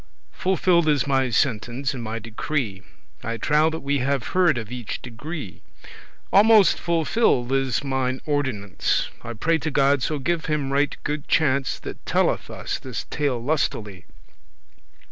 Fulfill'd is my sentence and my decree; I trow that we have heard of each degree.* from each class or rank Almost fulfilled is mine ordinance; in the company I pray to God so give him right good chance That telleth us this tale lustily.